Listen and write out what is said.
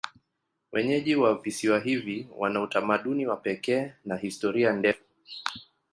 Wenyeji wa visiwa hivi wana utamaduni wa pekee na historia ndefu.